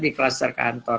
tapi klaster kantor